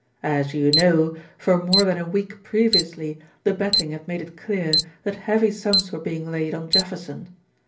"As you know, for more than a week previously the betting had made it clear that heavy sums were being laid on Jefferson.